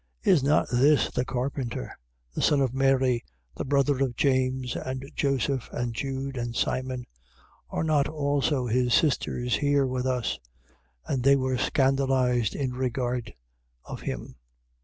6:3. Is not this the carpenter, the son of Mary, the brother of James, and Joseph, and Jude, and Simon? are not also his sisters here with us? And they were scandalized in regard of him.